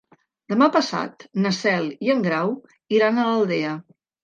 Demà passat na Cel i en Grau iran a l'Aldea.